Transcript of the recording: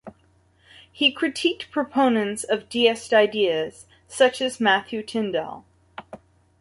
He critiqued proponents of deist ideas, such as Matthew Tindal.